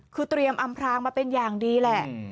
คือเตรียมอำพรางมาเป็นอย่างดีแหละ